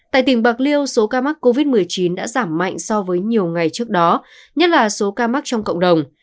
tại tỉnh bạc liêu số ca mắc covid một mươi chín đã giảm mạnh so với nhiều ngày trước đó nhất là số ca mắc trong cộng đồng